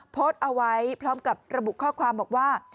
โพสต์เอาไว้พร้อมกับระบุข้อความบอกว่า